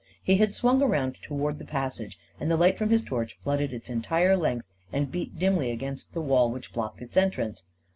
He had swung around toward the passage, and the light from his torch flooded its entire length and beat dimly against the wall which blocked its en trance.